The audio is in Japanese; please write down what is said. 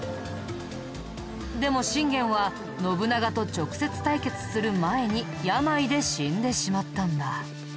でも信玄は信長と直接対決する前に病で死んでしまったんだ。